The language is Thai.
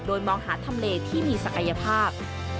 โดยมองหาทำเลที่มีศักยภาพ